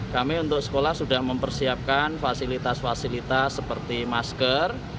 kami untuk sekolah sudah mempersiapkan fasilitas fasilitas seperti masker